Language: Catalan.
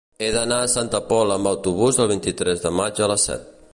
He d'anar a Santa Pola amb autobús el vint-i-tres de maig a les set.